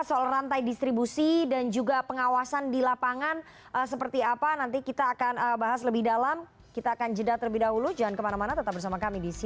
oke soal distribusi dan pengawasan nanti kita akan bahas pak